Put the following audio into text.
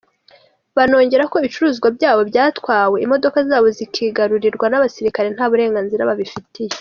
Banongeraho ko ibicuruzwa byabo byatwawe, imodoka zabo zikigarurirwa n’abasirikare nta burenganzira babifitiye.